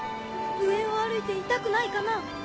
上を歩いて痛くないかな？